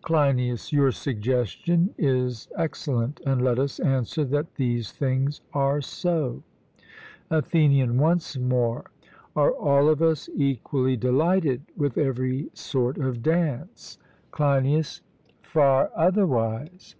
CLEINIAS: Your suggestion is excellent; and let us answer that these things are so. ATHENIAN: Once more, are all of us equally delighted with every sort of dance? CLEINIAS: Far otherwise.